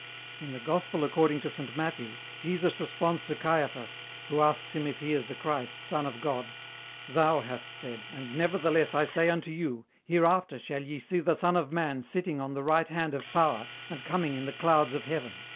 In the Gospel according to Saint Matthew, Jesus responds to Caiaphas, who asks Him if He is the Christ, Son of God, 'Thou hast said, and nevertheless I say unto you, Hereafter shall ye see the Son of man sitting on the right hand of power and coming in the clouds of heaven.'